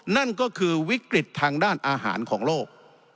นั่นก็คือวิกฤตทางด้านอาหารของโลก